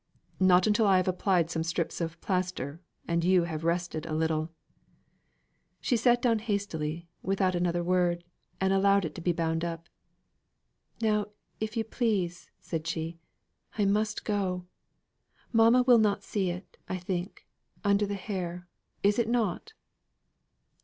"Not until I have applied some strips of plaster, and you have rested a little." She sat down hastily, without another word, and allowed it to be bound up. "Now, if you please," said she, "I must go. Mamma will not see it, I think. It is under the hair, is it not?"